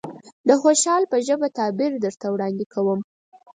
د خوشحال په ژبه تعبير درته وړاندې کوم.